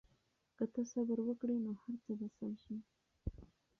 که ته صبر وکړې نو هر څه به سم شي.